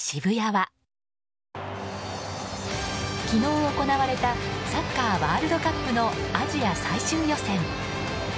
昨日行われたサッカーワールドカップのアジア最終予選。